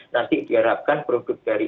nanti diharapkan produk dari